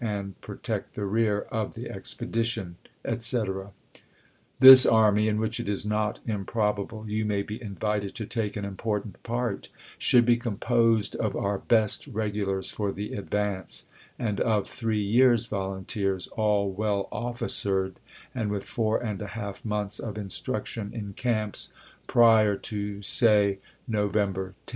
and protect the rear of the expedition, etc. This army, in which it is not improbable you may be invited to take an important part, should be composed of our best regu lars for the advance, and of three years' volunteers, all well of&cered, and with four and a half months of in struction in camps prior to (say) November 10.